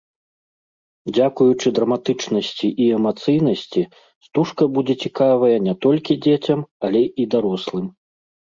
Дзякуючы драматычнасці і эмацыйнасці стужка будзе цікавая не толькі дзецям, але і дарослым.